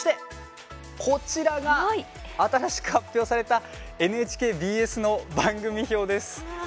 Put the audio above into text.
こちらが新しく発表されたＮＨＫＢＳの番組表です。